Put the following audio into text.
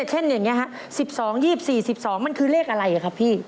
เช่นอย่างนี้ฮะ๑๒๒๔๑๒มันคือเลขอะไรครับพี่